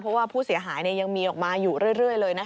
เพราะว่าผู้เสียหายยังมีออกมาอยู่เรื่อยเลยนะคะ